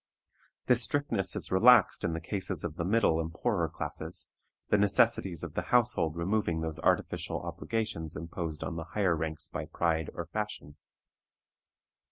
This strictness is relaxed in the cases of the middle and poorer classes, the necessities of the household removing those artificial obligations imposed on the higher ranks by pride or fashion.